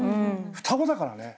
双子だからね。